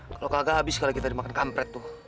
kalo kagak abis kali kita dimakan kampret tuh